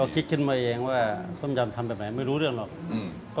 คิดขึ้นมาเองว่าต้มยำทำแบบไหนไม่รู้เรื่องหรอกอืม